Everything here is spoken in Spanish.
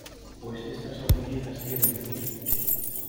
pues estas hormiguitas quieren decir